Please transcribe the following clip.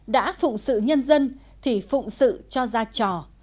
đã phụng sự nhân dân thì phụng sự cho ra trò